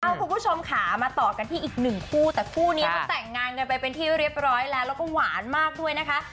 แต่เราคุณผู้ชมค่ะมาต่อกันที่อีกหนึ่งคู่แต่คู่นี้คุณแต่งงานกันเป็นที่เรียบร้อยแล้วก็หวานมากนะคะ